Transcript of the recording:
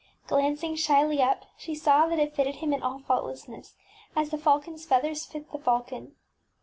Glancing shyly up, she saw that it fitted him in all faultlessness, as the falconŌĆÖs feathers fit the falcon.